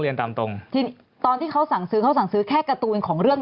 เรียนตามตรงที่ตอนที่เขาสั่งซื้อเขาสั่งซื้อแค่การ์ตูนของเรื่อง